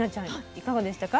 いかがでしたか？